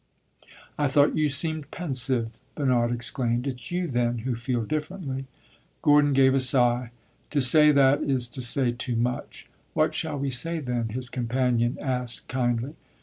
"I thought you seemed pensive!" Bernard exclaimed. "It 's you, then, who feel differently." Gordon gave a sigh. "To say that is to say too much." "What shall we say, then?" his companion asked, kindly.